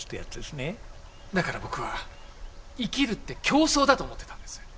だから僕は生きるって競争だと思ってたんです。